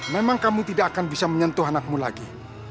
memang kamu tidak akan bisa menyentuh anakmu lagi